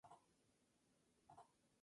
Completó el podio Cadel Evans.